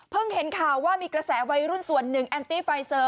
เห็นข่าวว่ามีกระแสวัยรุ่นส่วนหนึ่งแอนตี้ไฟเซอร์